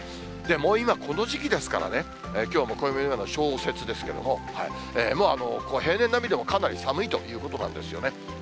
もう今この時期ですからね、きょうも暦の上では、小雪ですけれども、もう平年並みでもかなり寒いということなんですよね。